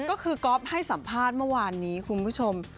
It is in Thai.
ก็คือก๊อฟให้สัมภาษณ์เมื่อวานนี้คุณผู้ชม